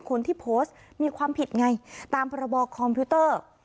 คนที่โพสต์มีความผิดไงตามพรบคอมพิวเตอร์